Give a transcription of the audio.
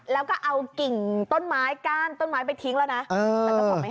แล้วก็เอากิ่งต้นไม้ก้านต้นไม้ไปทิ้งแล้วนะ